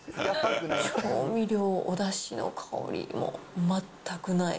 調味料、おだしの香りも全くない。